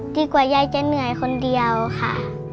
กว่ายายจะเหนื่อยคนเดียวค่ะ